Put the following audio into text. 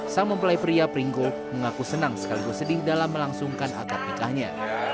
sang mempelai pria pringgo mengaku senang sekaligus sedih dalam melangsungkan akad nikahnya